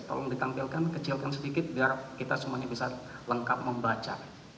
tolong ditampilkan kecilkan sedikit biar kita semuanya bisa lengkap membaca